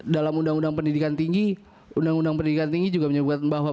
dalam undang undang pendidikan tinggi undang undang pendidikan tinggi juga menyebutkan bahwa